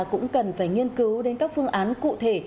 cũng cần phải nghiên cứu đến các phương án cụ thể